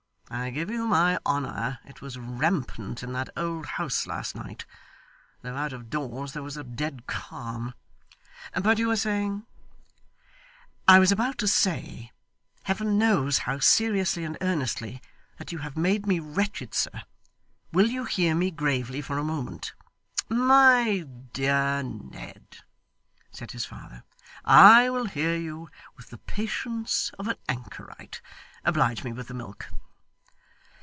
I give you my honour it was rampant in that old house last night, though out of doors there was a dead calm. But you were saying' 'I was about to say, Heaven knows how seriously and earnestly, that you have made me wretched, sir. Will you hear me gravely for a moment?' 'My dear Ned,' said his father, 'I will hear you with the patience of an anchorite. Oblige me with the milk.